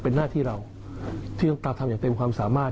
เป็นหน้าที่เราที่ต้องการทำอย่างเต็มความสามารถ